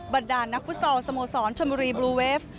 บรรดานักฟุตซอลสโมสรชนบุรีบลูเวฟ